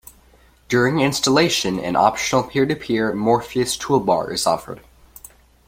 During installation, an optional peer-to-peer Morpheus Toolbar is offered.